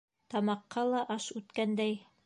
Тамаҡҡа ла аш үткәндәй.